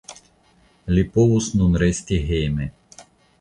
Li povus nun resti hejme.